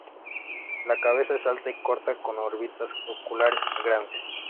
La cabeza es alta y corta con órbitas oculares grandes.